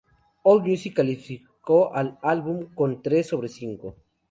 Allmusic calificó al álbum con un tres sobre cinco.